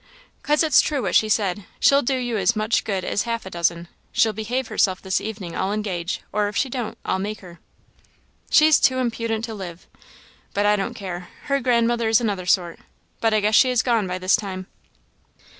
" 'Cause it's true what she said she'll do you as much good as half a dozen. She'll behave herself this evening, I'll engage, or, if she don't, I'll make her." "She's too impudent to live! But I don't care her grandmother is another sort; but I guess she is gone by this time."